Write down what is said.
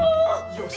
よし！